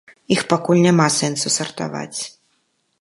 Іх пакуль няма сэнсу сартаваць.